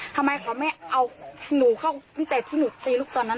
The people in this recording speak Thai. ทำไมเขาไม่เอาหนูเข้าตั้งแต่ที่หนูตีลูกตอนนั้น